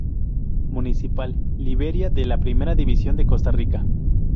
Municipal Liberia de la Primera División de Costa Rica.